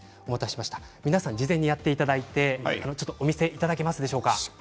皆さん、事前にやっていただいてお見せいただけますでしょうか。